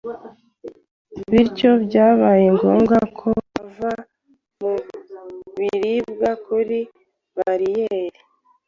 bityo, byabaye ngombwa ko ava mu biribwa kuri bariyeri.